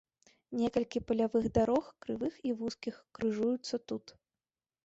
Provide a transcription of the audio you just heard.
Некалькі палявых дарог, крывых і вузкіх, крыжуюцца тут.